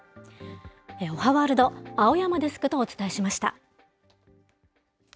おはワールド、青山デスクとお伝えしました。